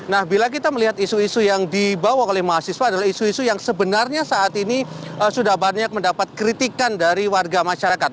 nah bila kita melihat isu isu yang dibawa oleh mahasiswa adalah isu isu yang sebenarnya saat ini sudah banyak mendapat kritikan dari warga masyarakat